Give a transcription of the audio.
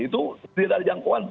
itu tidak ada jangkauan